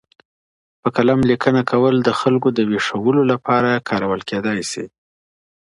په قلم لیکنه کول د خلګو د ویښولو لپاره کارول کیدای سي.